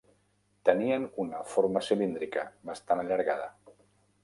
Tenien una forma cilíndrica, bastant allargada.